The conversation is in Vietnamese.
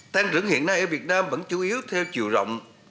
tăng trưởng hiện nay ở việt nam vẫn chủ yếu theo chiều rộng